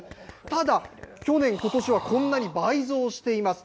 ただ去年、ことしはこんなに倍増しています。